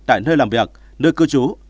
tại nơi làm việc nơi cư trú